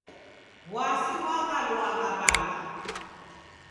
W'asi ghwaghaluagha w'andu.